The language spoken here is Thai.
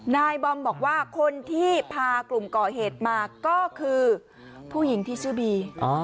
นายบอมบอกว่าคนที่พากลุ่มก่อเหตุมาก็คือผู้หญิงที่ชื่อบี